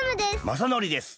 まさのりです。